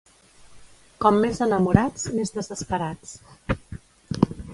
Com més enamorats, més desesperats.